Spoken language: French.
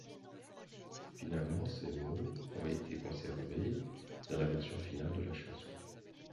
Finalement ces mots ont été conservés dans la version finale de la chanson.